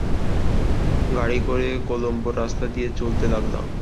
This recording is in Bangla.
গাড়ী করে কলম্বোর রাস্তা দিয়ে চলতে লাগলাম।